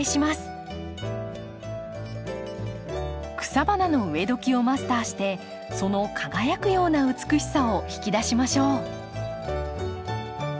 草花の植えどきをマスターしてその輝くような美しさを引き出しましょう。